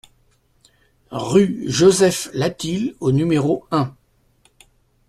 Rue Joseph Latil au numéro un